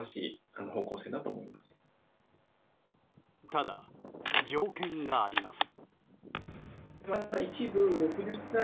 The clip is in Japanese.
ただ、条件があります。